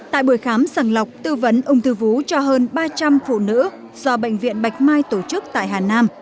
tại buổi khám sàng lọc tư vấn ung thư vú cho hơn ba trăm linh phụ nữ do bệnh viện bạch mai tổ chức tại hà nam